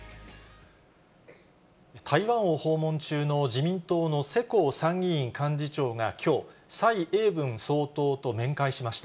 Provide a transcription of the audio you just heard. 台湾を訪問中の自民党の世耕参議院幹事長がきょう、蔡英文総統と面会しました。